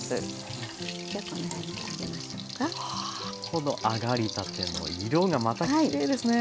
この揚がりたての色がまたきれいですね。